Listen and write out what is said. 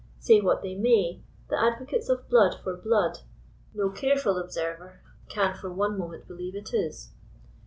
Say what they may — the advocates of blood for blood — no careful observer can for one moment believe it is.